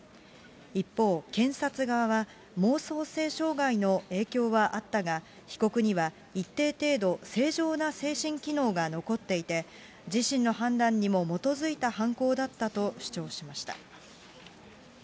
一方、検察側は、妄想性障害の影響はあったが、被告には一定程度、正常な精神機能が残っていて、自身の判断にも基づいた犯行だったと主張しました。